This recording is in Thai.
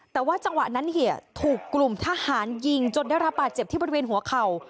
แต่ว่าจังหวะนั้นถูกกลุ่มทหารยิงจนได้รับบาดเจ็บที่บริเวณหัวเข่า